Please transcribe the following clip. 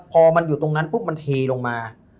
พอมันอยู่ตรงนั้นปุ๊บมันเทลงมา